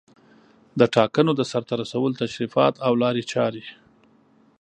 د ټاکنو د سرته رسولو تشریفات او لارې چارې